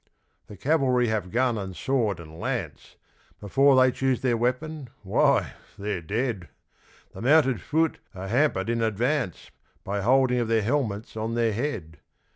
The Cavalry have gun and sword and lance, Before they choose their weapon, why, they're dead. The Mounted Fut are hampered in advance By holding of their helmets on their head.